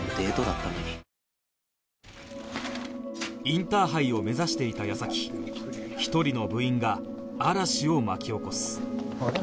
インターハイを目指していた矢先一人の部員が嵐を巻き起こすあれ？